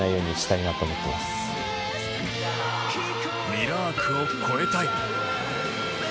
ミラークを超えたい